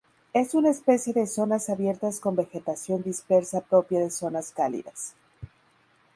Es una especie de zonas abiertas con vegetación dispersa propia de zonas cálidas.